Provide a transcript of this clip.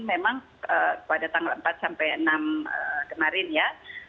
memang pada tanggal empat sampai enam kemarin ya